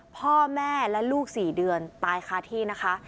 พ่อแม่และลูก๔เดือนตายคาที่นะคะ